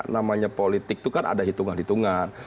namanya politik itu kan ada hitungan hitungan